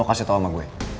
lu kasih tau ama gue